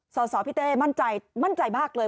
สอสอพี่เต้มั่นใจมากเลย